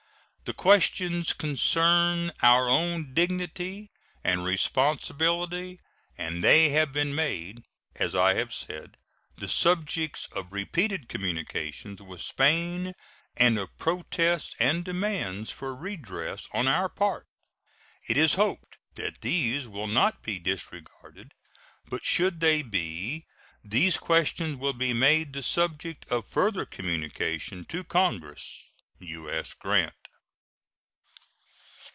The questions concern our own dignity and responsibility, and they have been made, as I have said, the subjects of repeated communications with Spain and of protests and demands for redress on our part. It is hoped that these will not be disregarded, but should they be these questions will be made the subject of a further communication to Congress. U.S. GRANT.